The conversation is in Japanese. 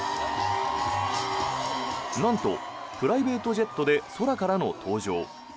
なんとプライベートジェットで空からの登場。